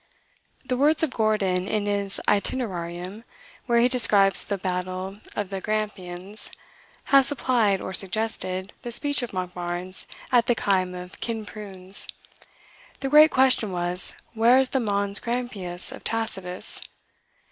The words of Gordon in his "Itinerarium," where he describes the battle of the Grampians, have supplied, or suggested, the speech of Monkbarns at the Kaim of Kinprunes. The great question was, Where is the Mons Grampius of Tacitus?